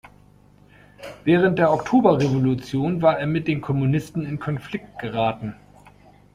Während der Oktoberrevolution war er mit den Kommunisten in Konflikt geraten.